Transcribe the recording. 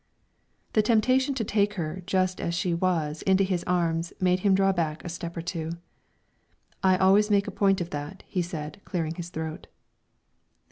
The temptation to take her, just as she was, into his arms, made him draw back a step or two. "I always make a point of that," he said, clearing his throat.